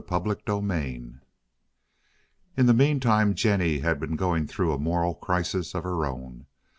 CHAPTER XXXV In the meantime Jennie had been going through a moral crisis of her own.